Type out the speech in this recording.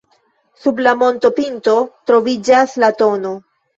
Sub la montopinto troviĝas la tn.